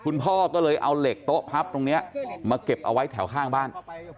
พ่อก็เลยเอาเหล็กโต๊ะพับตรงนี้มาเก็บเอาไว้แถวข้างบ้าน